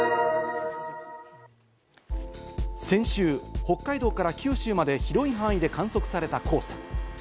先週、北海道から九州まで広い範囲で観測された黄砂。